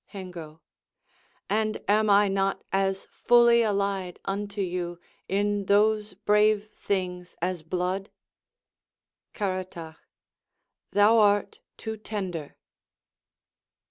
Hengo And am not I as fully allied unto you In those brave things as blood? Caratach Thou art too tender.